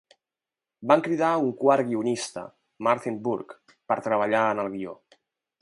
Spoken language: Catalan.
Van cridar un quart guionista, Martyin Burke, per treballar en el guió.